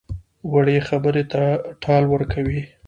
وړې خبرې ته ټال ورکوي.